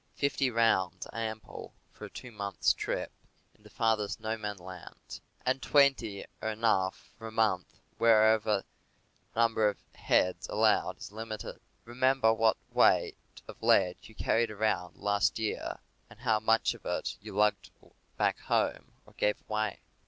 Fifty rounds are ample for a two months' trip into farthest no man's land, and twenty are enough for a month wherever the number of heads allowed is limited. Remember what a weight of lead you carried around last year, and how much of it you lugged back home, or gave away.